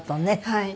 はい。